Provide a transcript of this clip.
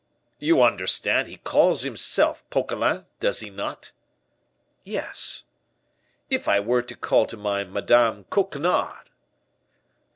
"You understand, he calls himself Poquelin, does he not?" "Yes." "If I were to call to mind Madame Coquenard."